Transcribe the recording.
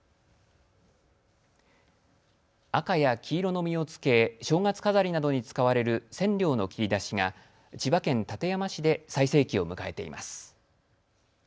赤や黄色の実をつけ正月飾りなどに使われるセンリョウの切り出しが千葉県館山市で最盛期を迎えています。